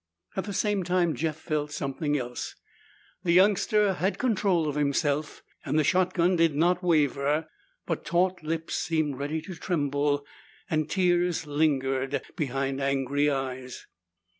At the same time, Jeff felt something else. The youngster had control of himself and the shotgun did not waver. But taut lips seemed ready to tremble and tears lingered behind angry eyes.